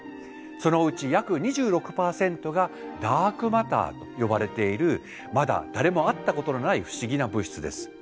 そのうち約２６％がダークマターと呼ばれているまだ誰も会ったことのない不思議な物質です。